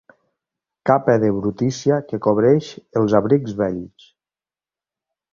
Capa de brutícia que cobreix els abrics vells.